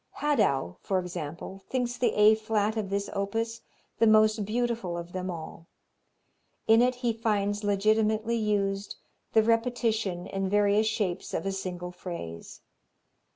Hadow, for example, thinks the A flat of this opus the most beautiful of them all. In it he finds legitimately used the repetition in various shapes of a single phrase.